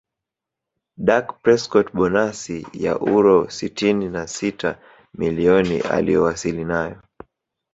Dak Prescot Bonasi ya uro sitini na sita milioni aliyowasili nayo